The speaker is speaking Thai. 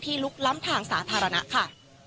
ลุกล้ำทางสาธารณะค่ะ